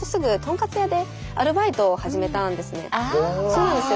そうなんですよ。